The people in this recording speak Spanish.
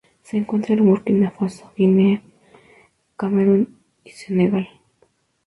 Se encuentra en Burkina Faso, Guinea, Camerún y Senegal.